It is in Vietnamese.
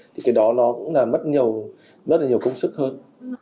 thì cái đó nó cũng là mất nhiều rất là nhiều công sức hơn